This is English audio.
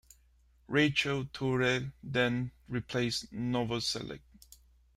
Rachel Thoele then replaced Novoselic.